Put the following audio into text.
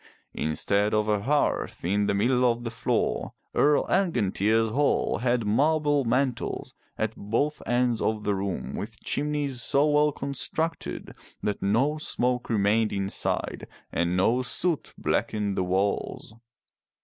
Instead of a hearth in the middle of the floor, Earl Angantyr's hall had marble mantles at both ends of the room with chimneys so well constructed that no smoke remained inside, and no soot blackened the walls.